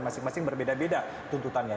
masing masing berbeda beda tuntutannya